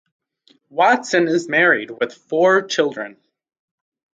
Watson is married with four children.